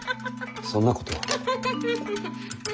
そんなことは。